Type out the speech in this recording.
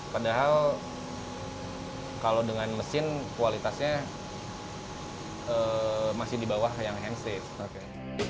padahal kalau dengan mesin kualitasnya masih di bawah yang hand safe